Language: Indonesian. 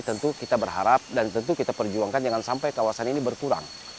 tentu kita berharap dan tentu kita perjuangkan jangan sampai kawasan ini berkurang